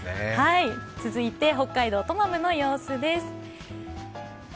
続いて北海道トマムの様子です。